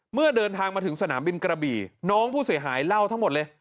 เมื่อเดินทางมาถึงสนามบินกระบี่น้องผู้เสียหายเล่าทั้งหมดเลย